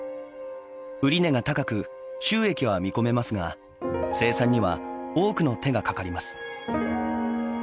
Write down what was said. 売値が高く収益は見込めますが生産には多くの手がかかります。